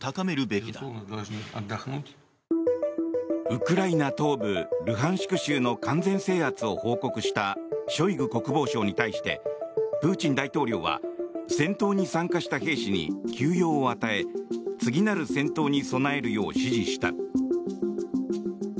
ウクライナ東部ルハンシク州の完全制圧を報告したショイグ国防相に対してプーチン大統領は戦闘に参加した兵士に休養を与え次なる戦闘に備えるよう指示した。